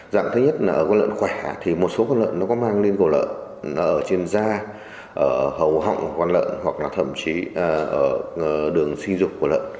dạng thứ nhất là ở quán lợn khỏe thì một số quán lợn nó có mang lên cổ lợn ở trên da hầu họng quán lợn hoặc là thậm chí ở đường sinh dục quán lợn